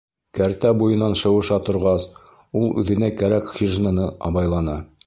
Кәртә буйынан шыуыша торғас, ул үҙенә кәрәк хижина-ны абайланы.